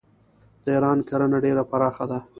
د ایران کرنه ډیره پراخه ده.